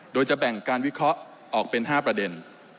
โดยจะแบ่งการวิเคราะห์ออกเป็น๕ประเด็น